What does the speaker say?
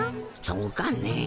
そうかね？